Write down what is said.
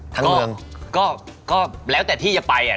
ทั้งเมืองก็แล้วแต่ที่จะไปอ่ะ